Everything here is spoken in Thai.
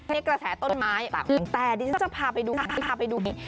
กระแสต้นไม้ต่างแต่ดิฉันจะพาไปดูพาไปดู